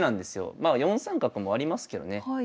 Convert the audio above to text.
まあ４三角もありますけどね。